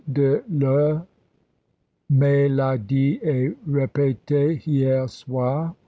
de l'H. me l'a dit et repete hier soir.